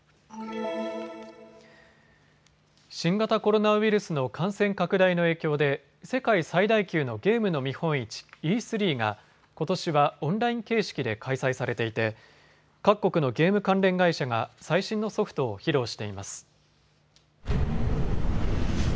新型コロナウイルスの感染拡大の影響で世界最大級のゲームの見本市、Ｅ３がことしはオンライン形式で開催されていて各国のゲーム関連会社が最新のソフトを披露しています。